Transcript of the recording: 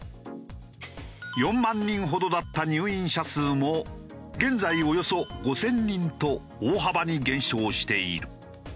４万人ほどだった入院者数も現在およそ５０００人と大幅に減少している。